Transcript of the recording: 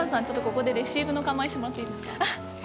ここでレシーブの構えしてもらっていいですか？